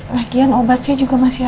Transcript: lagian obat saya juga masih ada